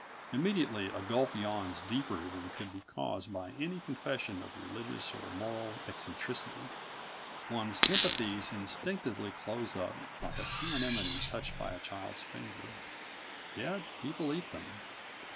Immediately, a gulf yawns deeper than could be caused by any confession of religious or moral eccentricity. One's sympathies instinctively close up like a sea anemone touched by a child's finger. Yet people eat them.